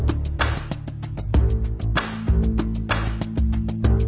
ก็คือพ่อหนูเสร็จพวกเขาไปบอกกระเป๋า